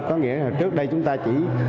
có nghĩa là trước đây chúng ta chỉ